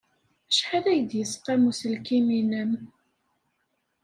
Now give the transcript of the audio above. Acḥal ay d-yesqam uselkim-nnem?